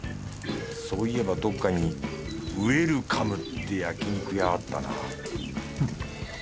そういえばどっかに飢える噛むって焼き肉屋あったな